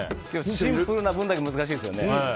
シンプルな分だけ難しいですよね。